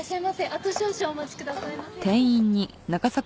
あと少々お待ちくださいませ。